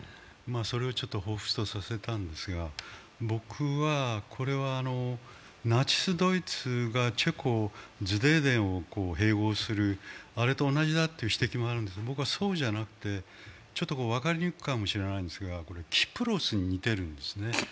それをちょっとほうふつとさせたんですが、僕はこれはナチス・ドイツがチェコのズデーデンを併合する、あれと同じだという指摘もあるんですが、分かりにくいかもしれないけど、これ、キプロスに似てるんですね。